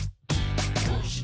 「どうして？